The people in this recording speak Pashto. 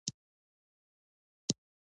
فلالوژي د یوناني ژبي کليمه ده.